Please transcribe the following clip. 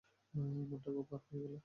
মনটা খুব খারাপ হয়ে গেল।